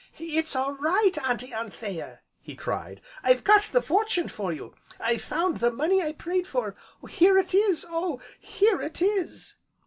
"It's all right, Auntie Anthea!" he cried, "I've got the fortune for you, I've found the money I prayed for, here it is, oh! here it is!"